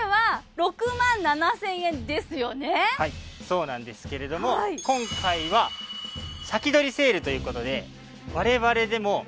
そうなんですけれども今回は先取りセールという事で我々でも。